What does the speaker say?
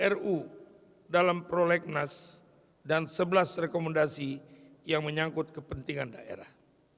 ruu dalam prolegnas dan sebelas rekomendasi yang menyangkut kepentingan daerah